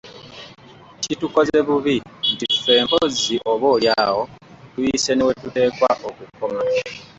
Kitukoze bubi nti ffe mpozzi oba oli awo tuyise newetuteekwa okukoma.